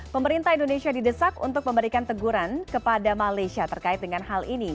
pemerintah indonesia didesak untuk memberikan teguran kepada malaysia terkait dengan hal ini